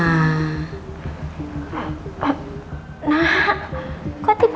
tadi kan anjus suruh tunggu di sana